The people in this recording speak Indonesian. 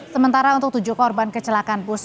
sementara untuk tujuh korban kecelakaan bus